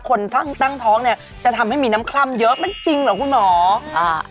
คนตั้งท้องเนี่ยจะทำให้มีน้ำคล่ำเยอะมันจริงเหรอคุณหมออ่า